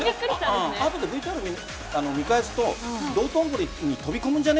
後でＶＴＲを見返すと道頓堀に飛び込むんじゃね？